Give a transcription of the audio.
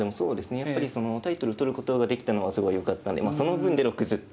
やっぱりタイトル取ることができたのはすごいよかったんでその分で６０点。